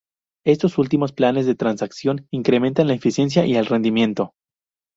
Estos últimos planes de transacción incrementan la eficiencia y el rendimiento.